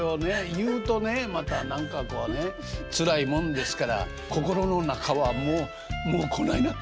言うとねまた何かこうねつらいもんですから心の中はもうこないなってんですよ。